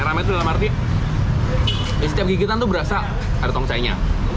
rame tuh dalam arti setiap gigitan tuh berasa ada tongcainya